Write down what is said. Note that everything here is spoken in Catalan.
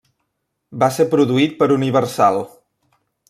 Va ser produït per Universal.